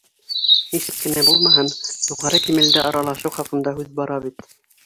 Нисек кенә булмаһын, юғары кимәлдә аралашыу хаҡында һүҙ бара бит.